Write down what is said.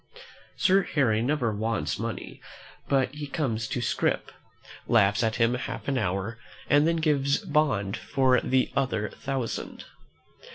Sir Harry never wants money but he comes to Scrip, laughs at him half an hour, and then gives bond for the other thousand.